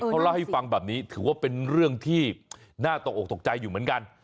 เขาเล่าให้ฟังแบบนี้ถือว่าเป็นเรื่องที่น่าตกออกตกใจอยู่เหมือนกัน